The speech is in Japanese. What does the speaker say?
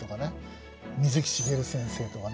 水木しげる先生とかね。